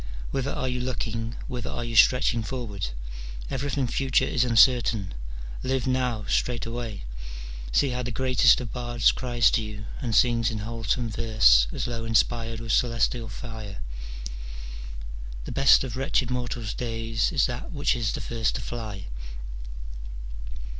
Whither are you looking, whither are you stretching forward ? everything future is uncer tain': live now straightway. See how the greatest of bards cries to you and sings in wholesome verse as though inspired with celestial fire :— "The best of wretched mortals' days is that Which is the first to fly."